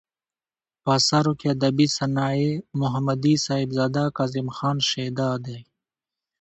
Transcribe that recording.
په اثارو کې ادبي صنايع ، محمدي صاحبزداه ،کاظم خان شېدا دى.